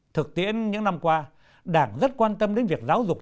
thực tiễn những năm qua đảng rất quan tâm đến việc giáo dục